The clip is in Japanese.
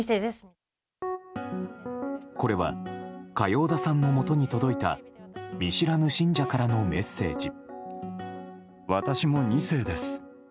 これは嘉陽田さんのもとに届いた見知らぬ信者からのメッセージ。